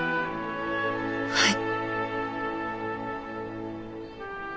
はい。